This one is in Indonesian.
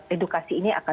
edukasi ini akan